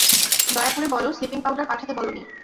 দয়া করে বলো স্লিপিং পাউডার পাঠাতে বলোনি।